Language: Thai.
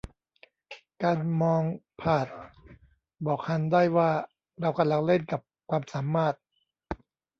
การมองผาดบอกฮันได้ว่า เรากำลังเล่นกับความสามารถ